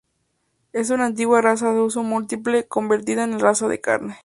Es una antigua raza de uso múltiple, convertida en una raza de carne.